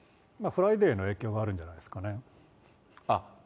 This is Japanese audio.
フライデーの影響があるんじゃないですかね。